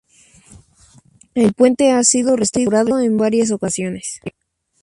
El puente ha sido restaurado en varias ocasiones.